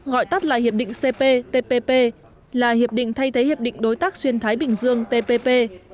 gọi tắt là hiệp định cptpp là hiệp định thay thế hiệp định đối tác xuyên thái bình dương tpp